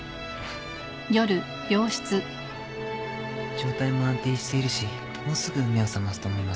状態も安定しているしもうすぐ目を覚ますと思いますよ。